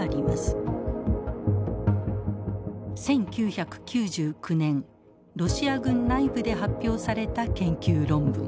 １９９９年ロシア軍内部で発表された研究論文。